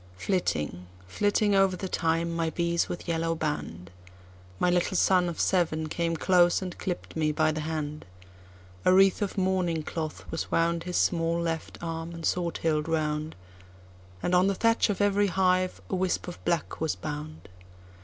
Flitting, flitting over the thyme, my bees with yellow band—My little son of seven came close, and clipp'd me by the hand;A wreath of mourning cloth was woundHis small left arm and sword hilt round, And on the thatch of every hive a wisp of black was bound.